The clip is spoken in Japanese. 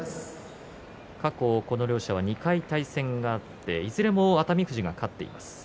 過去この両者は２回対戦があっていずれも熱海富士が勝っています。